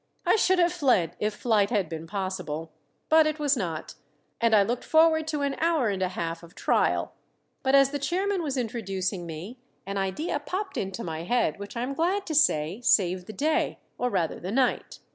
I should have fled if flight had been possible; but it was not, and I looked forward to an hour and a half of trial. But as the chairman was introducing me an idea popped into my head which I am glad to say saved the day or rather the night.